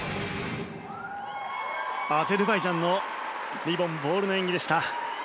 アゼルバイジャンのリボン・ボールの演技でした。